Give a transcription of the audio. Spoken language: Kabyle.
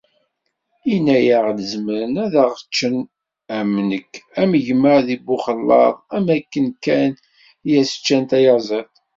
Inna-aɣ-d zemren ad aɣ-ččen am nekk am gma di Buxellad, am akken kan i as-ččan tayaziḍt.